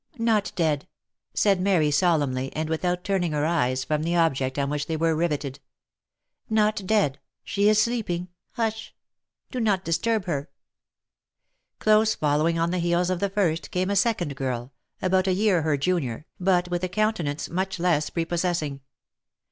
not dead !" said Mary solemnly, and without turningher eyes from the object on which they were rivetted. " Not dea d! — she is sleeping — Hush !— Do not disturb her !" Close following on the heels of the first, came a second girl, about a year her junior, but with a countenance much less prepossessing.